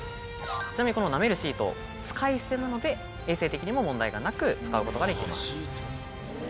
ちなみにこの舐めるシート使い捨てなので衛生的にも問題がなく使うことができます。